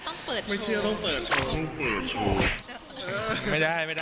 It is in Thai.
ไม่เชื่อต้องเปิดโชว์